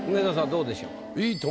どうでしょうか？